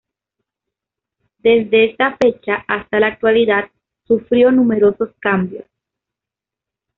Desde esta fecha hasta la actualidad, sufrió numerosos cambios.